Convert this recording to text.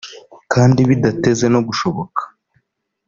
kandi bidateze no gushoboka